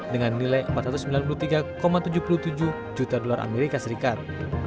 dengan nilai empat ratus sembilan puluh tiga tujuh puluh tujuh juta dolar amerika serikat